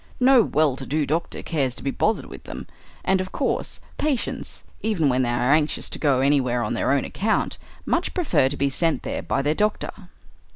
No well to do doctor cares to be bothered with them. And of course patients, even when they are anxious to go anywhere on their own account, much prefer to be sent there by their doctor.